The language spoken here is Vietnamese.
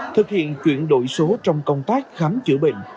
thực hiện chuyển đổi số trong công tác khám chữa bệnh